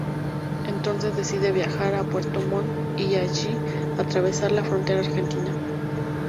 Entonces decide viaja a Puerto Montt y de allí atravesar la frontera argentina.